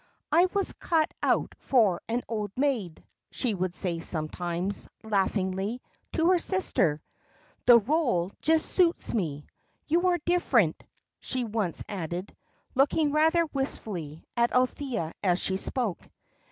"I was cut out for an old maid," she would say sometimes, laughingly, to her sister; "the rôle just suits me. You are different," she once added, looking rather wistfully at Althea as she spoke.